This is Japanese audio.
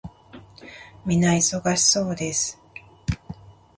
皆忙しそうです。